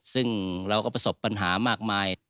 ซึ่งเราก็ประสบปัญหามากมาย